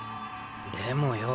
でもよ